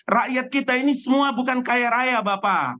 rakyat kita ini semua bukan kaya raya bapak